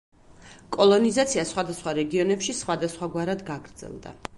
კოლონიზაცია სხვადასხვა რეგიონებში სხვადასხვაგვარად გაგრძელდა.